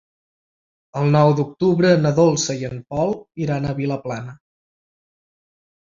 El nou d'octubre na Dolça i en Pol iran a Vilaplana.